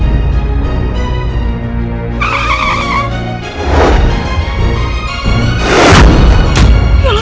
saya gak mau dusin kamu